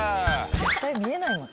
絶対見えないもん。